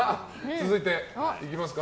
続いて行きますか。